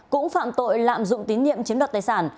cũng phạm tội lạm dụng tín nhiệm chiếm đoạt tài sản